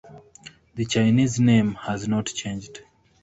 The Chinese name has not changed.